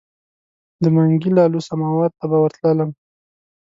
د منګي لالو سماوار ته به ورتللم.